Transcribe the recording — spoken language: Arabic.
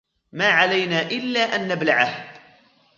ما علينا إلا أن نبلعه.